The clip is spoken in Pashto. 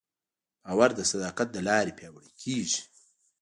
باور د صداقت له لارې پیاوړی کېږي.